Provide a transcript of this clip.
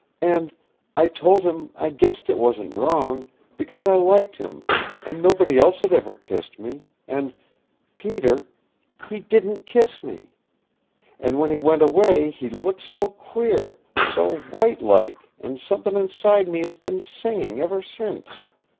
"And I told him I guessed it wasn't wrong, because I liked him, and nobody else had ever kissed me, and Peter he didn't kiss me! And when he went away he looked so queer so white like and somethin' inside me has been singing ever since.